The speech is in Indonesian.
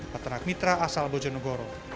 peternak mitra asal bojonegoro